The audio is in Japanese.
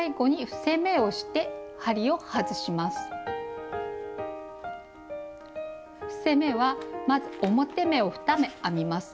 伏せ目はまず表目を２目編みます。